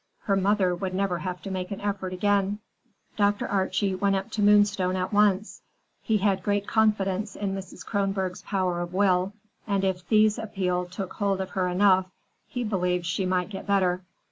Her mother would never have to make an effort again. Dr. Archie went up to Moonstone at once. He had great confidence in Mrs. Kronborg's power of will, and if Thea's appeal took hold of her enough, he believed she might get better.